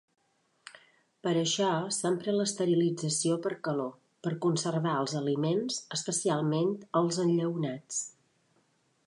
Per això s'empra l'esterilització per calor per conservar els aliments, especialment els enllaunats.